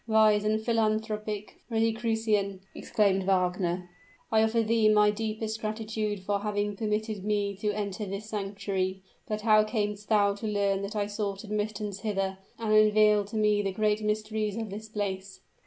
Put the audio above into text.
"Wise and philanthropic Rosicrucian!" exclaimed Wagner, "I offer thee my deepest gratitude for having permitted me to enter this sanctuary. But how camest thou to learn that I sought admittance hither? and unveil to me the great mysteries of this place."